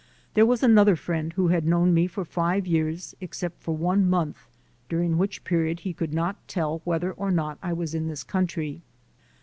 There was another friend who had known me for five years, except for one month, during which period he could not tell whether or not I was in this country.